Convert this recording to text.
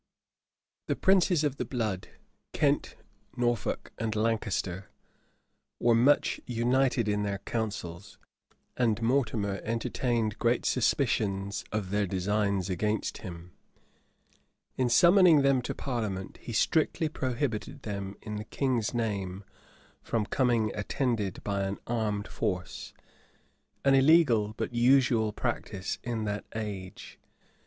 The princes of the blood, Kent, Norfolk, and Lancaster, were much united in their councils; and Mortimer entertained great suspicions of their designs against him. In summoning them to parliament, he strictly prohibited them, in the king's name, from coming attended by an armed force; an illegal but usual practice in that age.